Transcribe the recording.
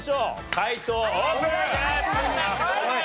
解答オープン！